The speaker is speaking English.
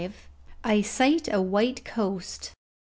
I SIGHT A WHITE COAST.